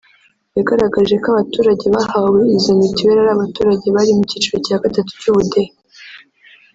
yagaragaje ko abaturage bahawe izo mitiweli ari abaturage bari mu cyiciro cya gatatu cy’ ubudehe